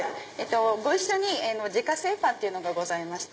ご一緒に自家製パンがございまして。